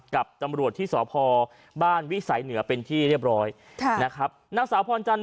กับตำรวจที่สพบ้านวิสัยเหนือเป็นที่เรียบร้อยค่ะนะครับนางสาวพรจันท